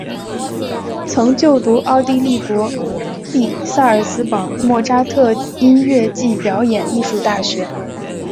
曾就读奥地利国立萨尔兹堡莫札特音乐暨表演艺术大学。